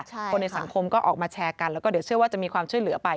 คนในสังคมก็ออกมาแชร์กันแล้วก็เดี๋ยวเชื่อว่าจะมีความช่วยเหลือไป